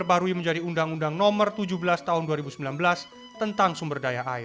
jauh sebelum bangsa ini mengenal kata demokrasi